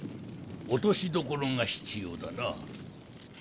落としどころが必要だな。